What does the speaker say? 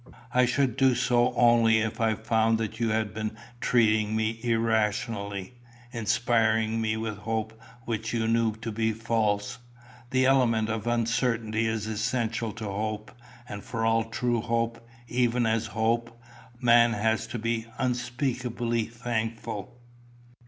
I should do so only if I found that you had been treating me irrationally inspiring me with hope which you knew to be false. The element of uncertainty is essential to hope, and for all true hope, even as hope, man has to be unspeakably thankful."